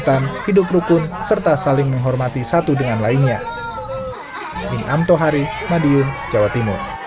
menurut kepala sekolah tk aisyah bustanul atfal i ida ayu tristiawati